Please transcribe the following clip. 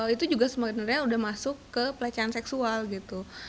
itu juga sebenarnya sudah masuk ke pelecehan seksual gitu